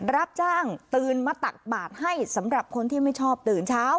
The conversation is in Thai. รับจ้างตื่นมาตักบาทให้สำหรับคนที่ไม่ชอบตื่นเช้า